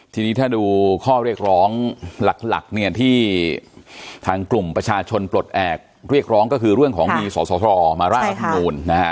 ทีนี้ถ้าดูข้อเรียกร้องหลักเนี่ยที่ทางกลุ่มประชาชนปลดแอบเรียกร้องก็คือเรื่องของมีสอสรมาร่างรัฐมนูลนะฮะ